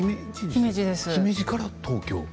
姫路から東京。